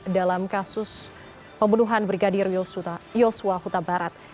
dalam kasus pembunuhan brigadir yosua huta barat